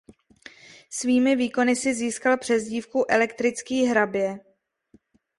Svými výkony si získal přezdívku "Elektrický hrabě".